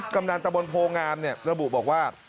กำนันตะบนโพงามระบุบอกว่า